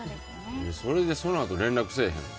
それでそのあと連絡せえへんの？